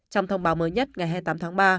trong thông báo mới nhất ngày hai mươi tám tháng ba